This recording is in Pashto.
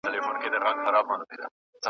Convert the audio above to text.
پر جهان یې غوړېدلی سلطنت وو .